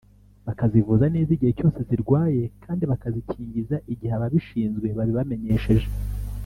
bakazivuza neza igihe cyose zarwaye kandi bakazikingiza igihe ababishinzwe babibamenyesheje